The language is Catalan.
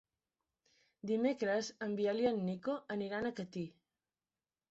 Dimecres en Biel i en Nico aniran a Catí.